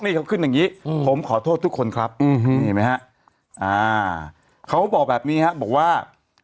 นี่เขาขึ้นอย่างงี้ผมขอโทษทุกคนครับเขาบอกแบบนี้ครับบอกว่า